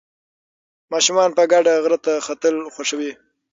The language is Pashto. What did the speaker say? ماشومان په ګډه غره ته ختل خوښوي.